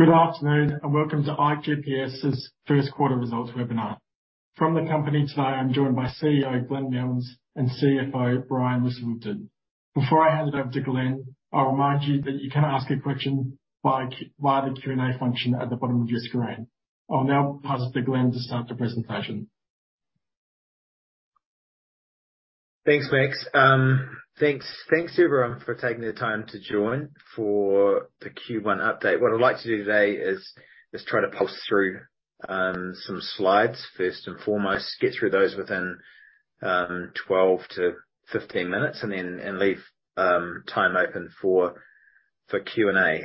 Good afternoon, welcome to ikeGPS's first quarter results webinar. From the company today, I'm joined by CEO, Glenn Milnes, and CFO, Brian Musfeldt. Before I hand it over to Glenn, I'll remind you that you can ask a question via the Q&A function at the bottom of your screen. I'll now pass it to Glenn to start the presentation. Thanks, Max. Thanks, thanks, everyone, for taking the time to join for the Q1 update. What I'd like to do today is try to pulse through some slides, first and foremost, get through those within 12-15 minutes, and then leave time open for Q&A.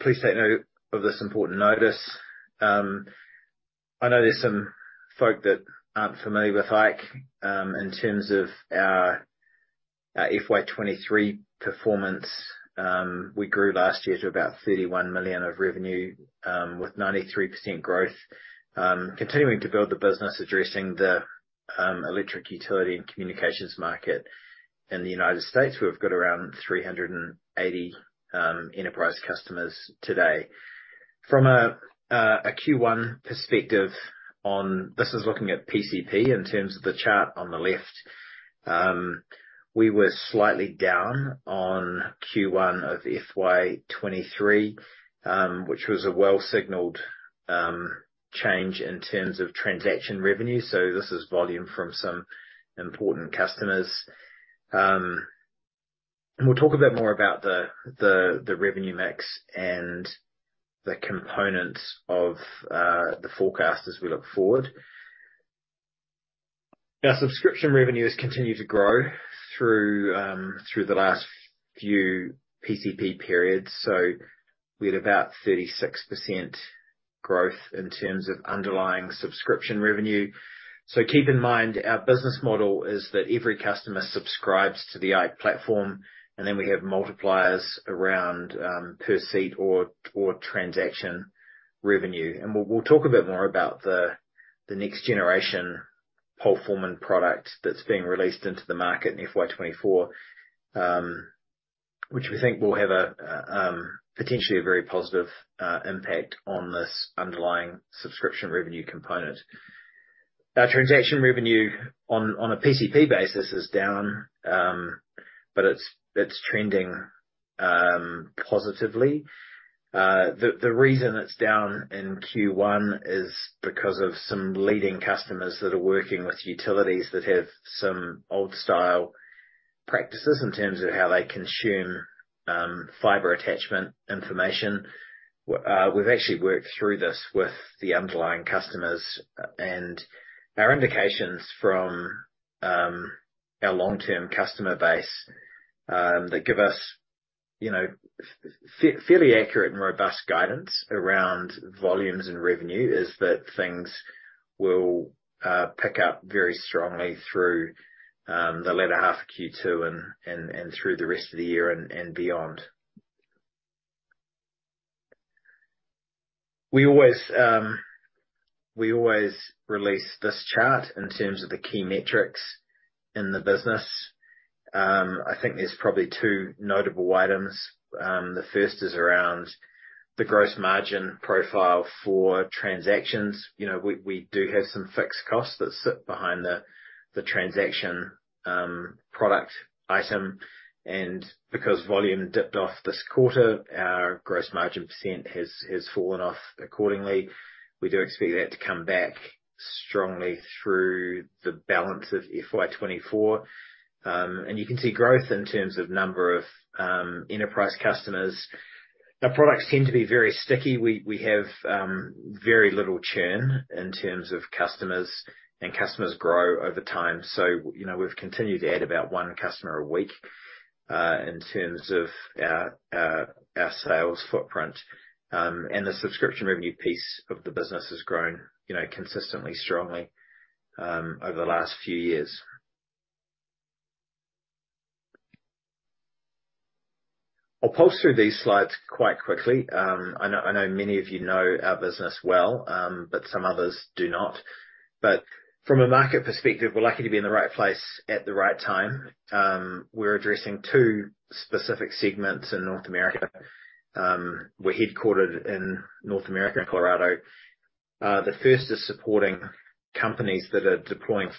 Please take note of this important notice. I know there's some folk that aren't familiar with IKE. In terms of our FY23 performance, we grew last year to about $31 million of revenue with 93% growth. Continuing to build the business, addressing the electric utility and communications market. In the United States, we've got around 380 enterprise customers today. From a Q1 perspective. This is looking at PCP in terms of the chart on the left. We were slightly down on Q1 of FY 2023, which was a well signaled change in terms of transaction revenue. This is volume from some important customers. We'll talk a bit more about the revenue mix and the components of the forecast as we look forward. Our subscription revenues continue to grow through the last few PCP periods, we had about 36% growth in terms of underlying subscription revenue. Keep in mind, our business model is that every customer subscribes to the IKE platform, we have multipliers around per seat or transaction revenue. We'll talk a bit more about the next generation IKE PoleForeman product that's being released into the market in FY 24, which we think will have a potentially a very positive impact on this underlying subscription revenue component. Our transaction revenue on a PCP basis is down, but it's trending positively. The reason it's down in Q1 is because of some leading customers that are working with utilities that have some old style practices in terms of how they consume fiber attachment information. We've actually worked through this with the underlying customers. Our indications from our long-term customer base, they give us, you know, fairly accurate and robust guidance around volumes and revenue, is that things will pick up very strongly through the latter half of Q2 and through the rest of the year and beyond. We always release this chart in terms of the key metrics in the business. I think there's probably two notable items. The first is around the gross margin profile for transactions. You know, we do have some fixed costs that sit behind the transaction product item. Because volume dipped off this quarter, our gross margin has fallen off accordingly. We do expect that to come back strongly through the balance of FY 2024. You can see growth in terms of number of enterprise customers. Our products tend to be very sticky. We have very little churn in terms of customers, and customers grow over time. You know, we've continued to add about one customer a week in terms of our sales footprint, and the subscription revenue piece of the business has grown, you know, consistently strongly over the last few years. I'll pulse through these slides quite quickly. I know many of you know our business well, but some others do not. From a market perspective, we're lucky to be in the right place at the right time. We're addressing two specific segments in North America. We're headquartered in North America, in Colorado. The first is supporting companies that are deploying- Can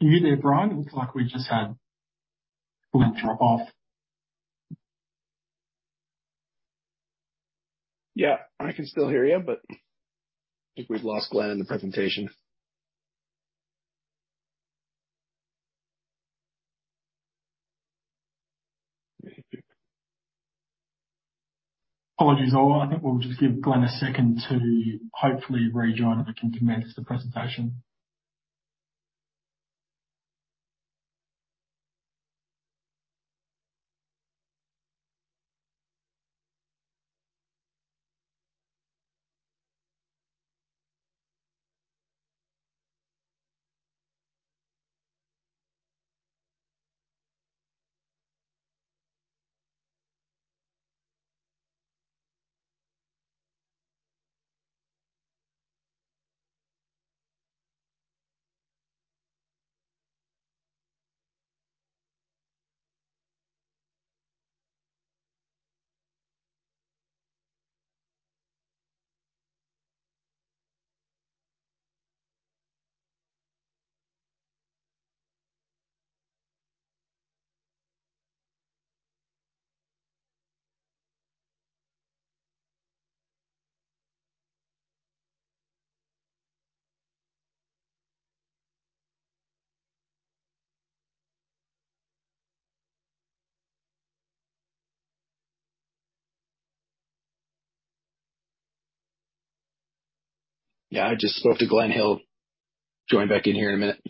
you hear Brian? It looks like we just had a little drop off. Yeah, I can still hear you, but I think we've lost Glenn in the presentation. Apologies all. I think we'll just give Glenn a second to hopefully rejoin, and we can commence the presentation. Yeah, I just spoke to Glenn. He'll join back in here in a minute.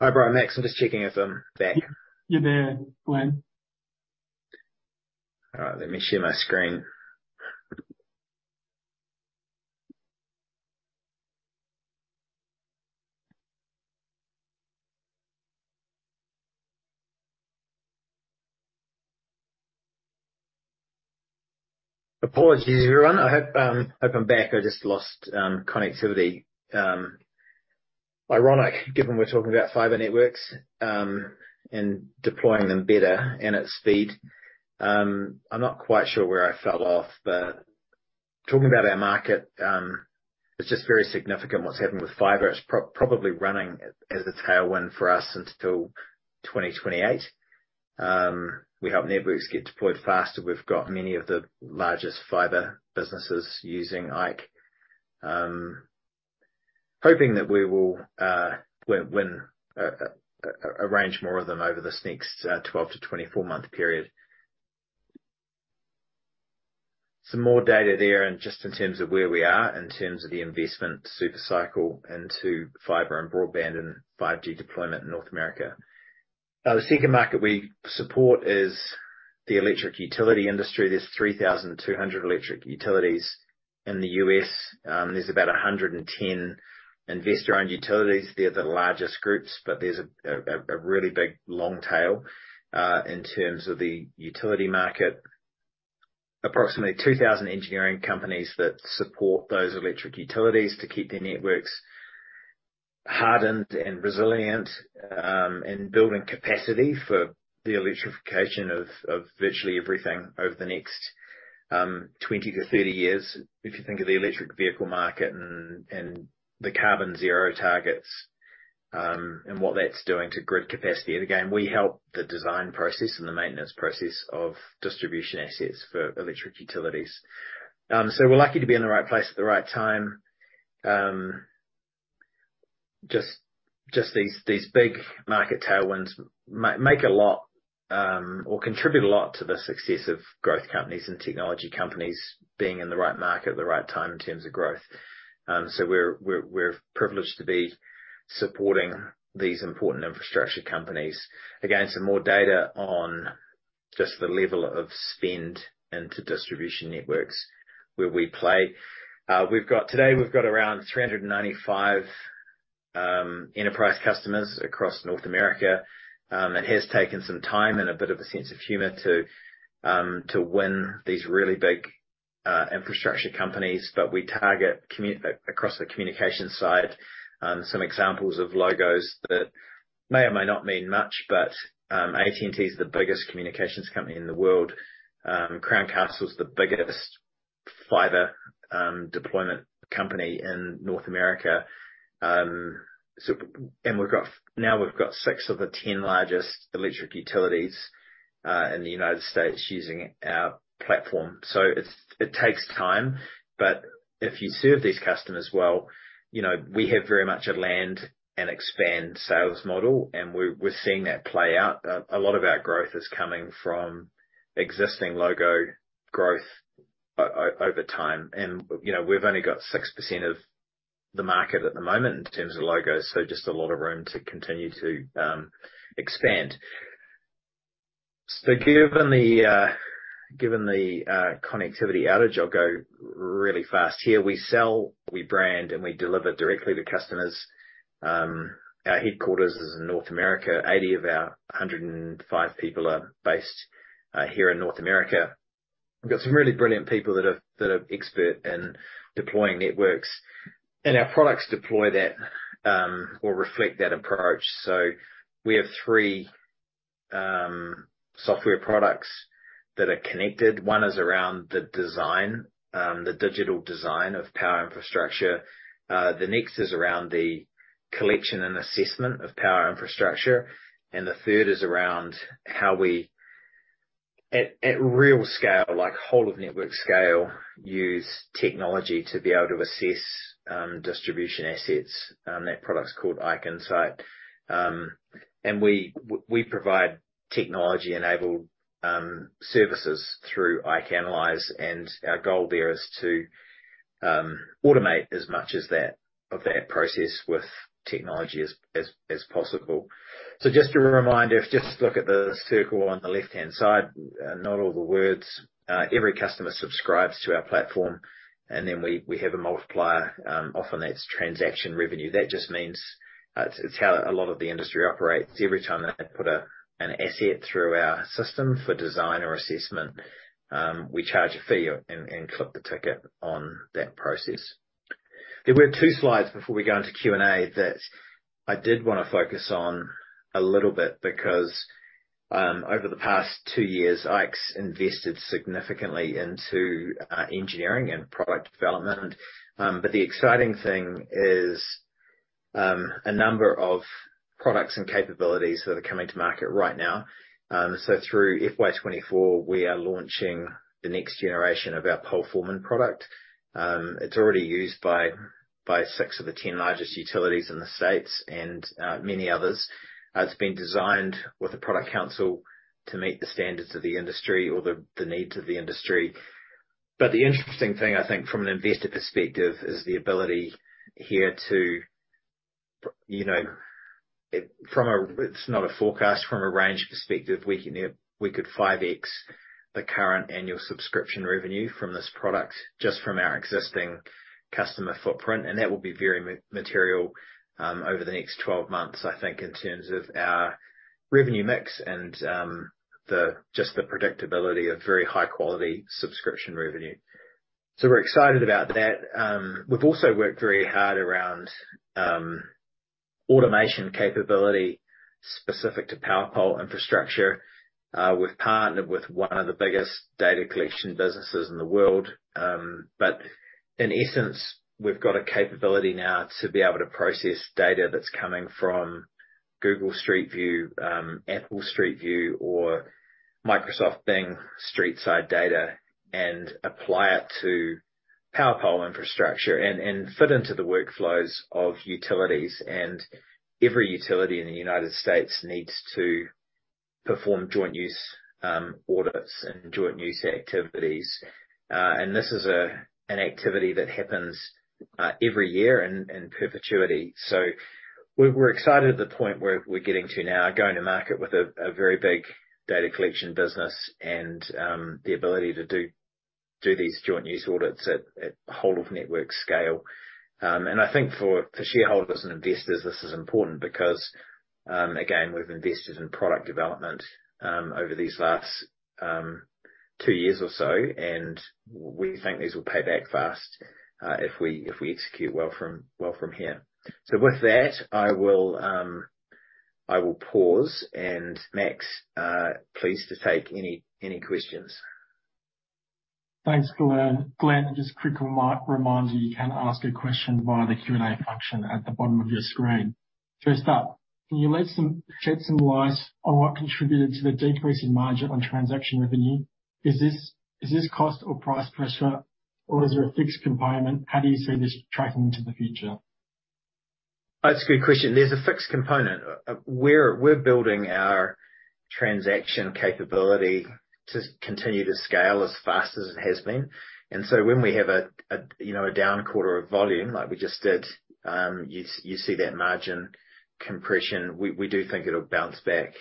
Hi, Brian, Max. I'm just checking if I'm back. You're there, Glenn. All right, let me share my screen. Apologies, everyone. I hope I'm back. I just lost connectivity. Ironic, given we're talking about fiber networks, and deploying them better and at speed. I'm not quite sure where I fell off, but talking about our market, it's just very significant what's happening with fiber. It's probably running as a tailwind for us until 2028. We help networks get deployed faster. We've got many of the largest fiber businesses using IKE. Hoping that we will win, arrange more of them over this next 12-24 month period. Some more data there, just in terms of where we are in terms of the investment super cycle into fiber and broadband and 5G deployment in North America. The second market we support is the electric utility industry. There's 3,200 electric utilities in the U.S. There's about 110 investor-owned utilities. They're the largest groups, but there's a really big long tail in terms of the utility market. Approximately 2,000 engineering companies that support those electric utilities to keep their networks hardened and resilient, and building capacity for the electrification of virtually everything over the next 20-30 years. If you think of the electric vehicle market and the carbon zero targets, and what that's doing to grid capacity. Again, we help the design process and the maintenance process of distribution assets for electric utilities. We're lucky to be in the right place at the right time. Just these big market tailwinds make a lot, or contribute a lot to the success of growth companies and technology companies being in the right market at the right time in terms of growth. We're privileged to be supporting these important infrastructure companies. Again, some more data. Just the level of spend into distribution networks where we play. Today, we've got around 395 enterprise customers across North America. It has taken some time and a bit of a sense of humor to win these really big infrastructure companies. We target across the communication side, some examples of logos that may or may not mean much, but AT&T is the biggest communications company in the world. Crown Castle is the biggest fiber deployment company in North America. Now we've got 6 of the 10 largest electric utilities in the United States using our platform. It takes time, but if you serve these customers well, you know, we have very much a land and expand sales model, and we're seeing that play out. A lot of our growth is coming from existing logo growth over time, and, you know, we've only got 6% of the market at the moment in terms of logos, so just a lot of room to continue to expand. Given the connectivity outage, I'll go really fast here. We sell, we brand, and we deliver directly to customers. Our headquarters is in North America. 80 of our 105 people are based here in North America. We've got some really brilliant people that are expert in deploying networks, and our products deploy that or reflect that approach. We have 3 software products that are connected. One is around the design, the digital design of power infrastructure. The next is around the collection and assessment of power infrastructure, and the third is around how we, at real scale, like, whole of network scale, use technology to be able to assess distribution assets. That product's called IKE Insight. And we provide technology-enabled services through IKE Analyze, and our goal there is to automate as much of that process with technology as possible. Just a reminder, if you just look at the circle on the left-hand side, not all the words. Every customer subscribes to our IKE platform, we have a multiplier. Often that's transaction revenue. That just means, it's how a lot of the industry operates. Every time they put an asset through our system for design or assessment, we charge a fee and clip the ticket on that process. There were 2 slides before we go into Q&A that I did want to focus on a little bit, because over the past 2 years, IKE's invested significantly into engineering and product development. The exciting thing is a number of products and capabilities that are coming to market right now. Through FY 2024, we are launching the next generation of our IKE PoleForeman product. It's already used by 6 of the 10 largest utilities in the States and many others. It's been designed with a product council to meet the standards of the industry or the needs of the industry. The interesting thing, I think, from an investor perspective, is the ability here to, you know, it's not a forecast. From a range perspective, we can, we could 5x the current annual subscription revenue from this product, just from our existing customer footprint, and that will be very material over the next 12 months, I think, in terms of our revenue mix and just the predictability of very high quality subscription revenue. We're excited about that. We've also worked very hard around automation capability specific to power pole Infrastructure. We've partnered with one of the biggest data collection businesses in the world. In essence, we've got a capability now to be able to process data that's coming from Google Street View, Apple Look Around, or Microsoft Bing Streetside data, and apply it to power pole infrastructure and fit into the workflows of utilities. Every utility in the United States needs to perform joint use audits and joint use activities. This is an activity that happens every year in perpetuity. We're excited at the point where we're getting to now, going to market with a very big data collection business and the ability to do these joint use audits at whole of network scale. I think for shareholders and investors, this is important because, again, we've invested in product development, over these last, 2 years or so, and we think these will pay back fast, if we execute well from here. With that, I will pause, and Max, pleased to take any questions. Thanks, Glenn. Glenn, just a quick reminder, you can ask a question via the Q&A function at the bottom of your screen. First up, can you shed some light on what contributed to the decrease in margin on transaction revenue? Is this cost or price pressure, or is it a fixed component? How do you see this tracking into the future? That's a good question. There's a fixed component. We're building our transaction capability to continue to scale as fast as it has been. When we have a, you know, a down quarter of volume, like we just did, you see that margin compression. We do think it'll bounce back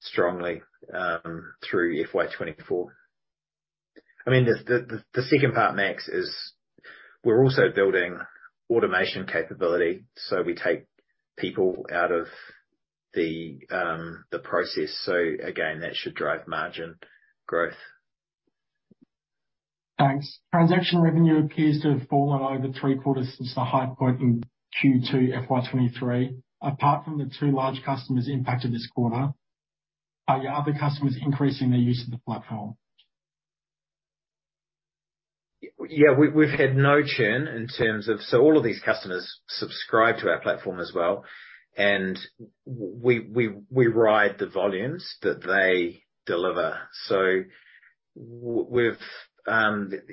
strongly through FY 2024. I mean, the second part, Max, is we're also building automation capability, so we take people out of the process. Again, that should drive margin growth. Thanks. Transaction revenue appears to have fallen over three quarters since the high point in Q2 FY twenty-three. Apart from the two large customers impacted this quarter, are your other customers increasing their use of the platform? Yeah, we've had no churn in terms of... All of these customers subscribe to our platform as well, and we ride the volumes that they deliver. We've,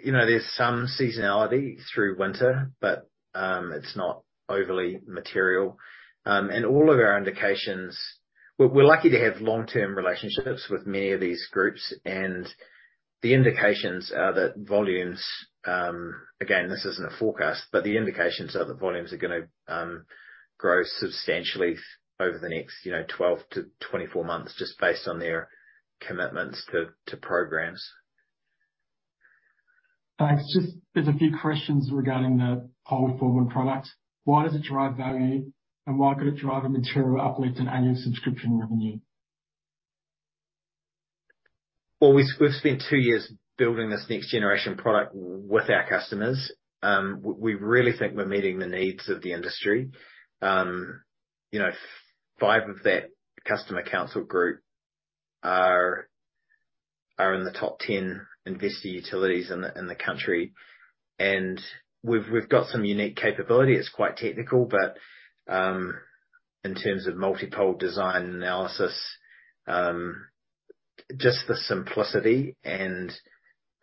you know, there's some seasonality through winter, but it's not overly material. All of our indications... We're lucky to have long-term relationships with many of these groups, and the indications are that volumes, again, this isn't a forecast, but the indications are that volumes are gonna grow substantially over the next, you know, 12-24 months, just based on their commitments to programs. Thanks. Just there's a few questions regarding the PoleForeman product. Why does it drive value, and why could it drive a material uplift in annual subscription revenue? We've spent two years building this next generation product with our customers. We really think we're meeting the needs of the industry. You know, five of that customer council group are in the top 10 investor-owned utilities in the country. We've got some unique capability. It's quite technical, but in terms of multi-pole design analysis, just the simplicity and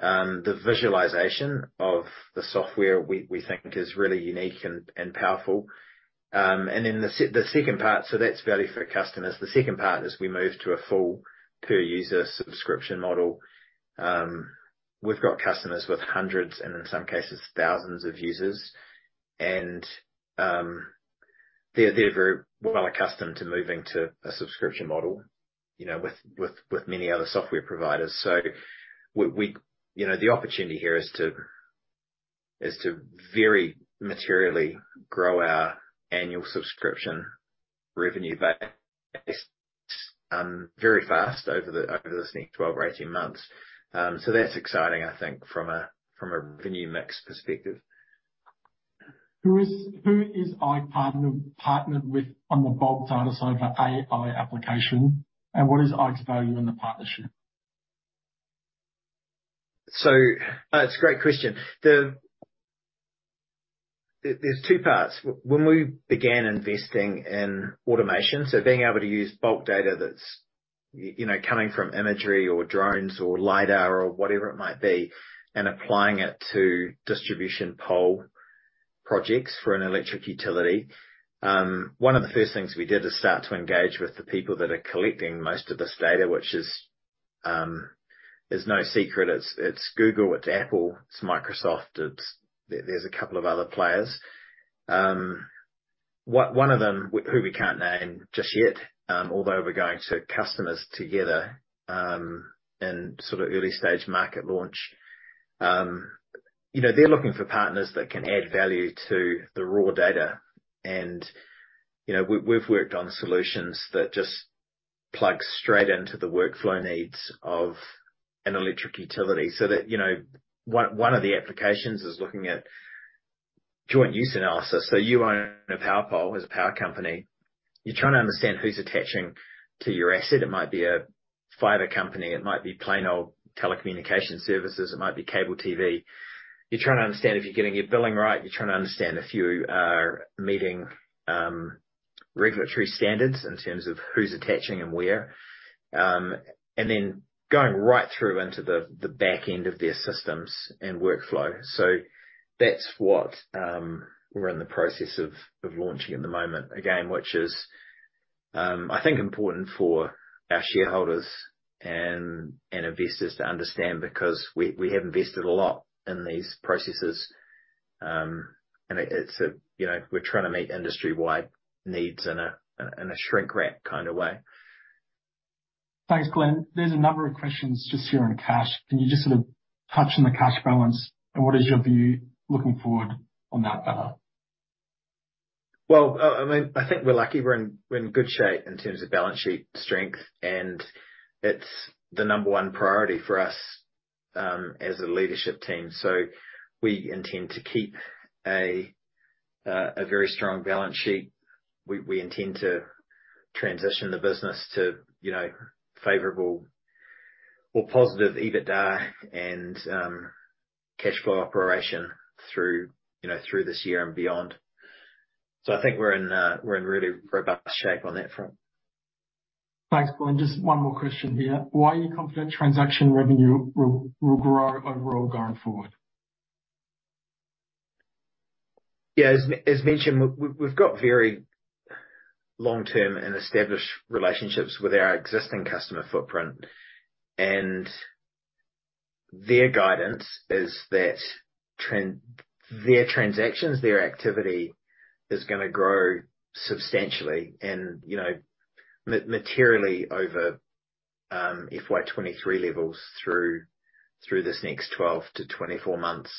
the visualization of the software, we think is really unique and powerful. And then the second part, so that's value for customers. The second part is we move to a full per user subscription model. We've got customers with hundreds, and in some cases, thousands of users, and they're very well accustomed to moving to a subscription model, you know, with many other software providers. You know, the opportunity here is to very materially grow our annual subscription revenue base, very fast over this next 12 or 18 months. That's exciting, I think, from a revenue mix perspective. Who is IKE partnered with on the bulk data side for AI application, and what is IKE's value in the partnership? It's a great question. There's two parts. When we began investing in automation, being able to use bulk data that's, you know, coming from imagery, or drones, or lidar, or whatever it might be, and applying it to distribution pole projects for an electric utility. One of the first things we did is start to engage with the people that are collecting most of this data, which is no secret. It's Google, it's Apple, it's Microsoft, it's. There's a couple of other players. One of them, who we can't name just yet, although we're going to customers together, in sort of early stage market launch. You know, they're looking for partners that can add value to the raw data. You know, we've worked on solutions that just plug straight into the workflow needs of an electric utility. That, you know, one of the applications is looking at joint use analysis. You own a power pole as a power company, you're trying to understand who's attaching to your asset. It might be a fiber company, it might be plain old telecommunications services, it might be cable TV. You're trying to understand if you're getting your billing right. You're trying to understand if you are meeting regulatory standards in terms of who's attaching and where. Then going right through into the back end of their systems and workflow. That's what we're in the process of launching at the moment. Which is, I think important for our shareholders and investors to understand, because we have invested a lot in these processes. It's a, you know, we're trying to meet industry-wide needs in a shrink wrap kind of way. Thanks, Glenn. There's a number of questions just here on cash. Can you just sort of touch on the cash balance, and what is your view looking forward on that matter? Well, I mean, I think we're lucky. We're in good shape in terms of balance sheet strength, and it's the number one priority for us as a leadership team. We intend to keep a very strong balance sheet. We intend to transition the business to, you know, favorable or positive EBITDA and cash flow operation through, you know, through this year and beyond. I think we're in really robust shape on that front. Thanks, Glenn. Just one more question here. Why are you confident transaction revenue will grow overall going forward? As mentioned, we've got very long-term and established relationships with our existing customer footprint. Their guidance is that their transactions, their activity, is gonna grow substantially and, you know, materially over FY 2023 levels, through this next 12-24 months.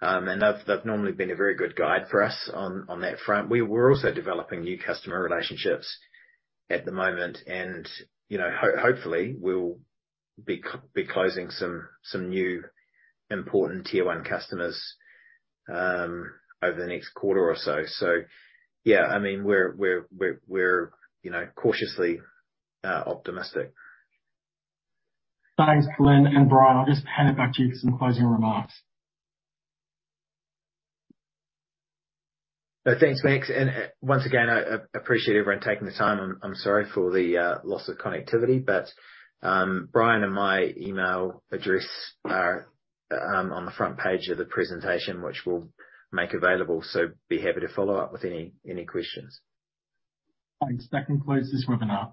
They've normally been a very good guide for us on that front. We're also developing new customer relationships at the moment, you know, hopefully, we'll be closing some new important tier one customers over the next quarter or so. Yeah, I mean, we're, you know, cautiously optimistic. Thanks, Glenn, and Brian, I'll just hand it back to you for some closing remarks. Thanks, Max, and once again, I appreciate everyone taking the time. I'm sorry for the loss of connectivity, Brian and my email address are on the front page of the presentation, which we'll make available, so be happy to follow up with any questions. Thanks. That concludes this webinar.